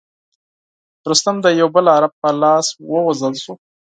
رستم د یوه بل عرب په لاس ووژل شو.